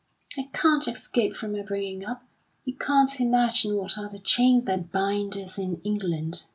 I can't escape from my bringing up. You can't imagine what are the chains that bind us in England.